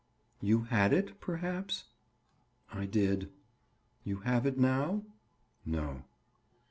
"You had it, perhaps?" "I did." "You have it now?" "No."